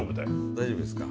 大丈夫ですか？